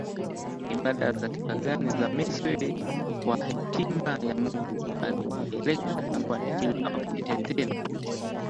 ibada za kipagani za Misri Kwa Hekima ya Mungu aliwapeleka jangwani ili awafundishe tena